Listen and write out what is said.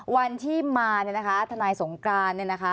วันที่มาเนี่ยนะคะทนายสงกรานเนี่ยนะคะ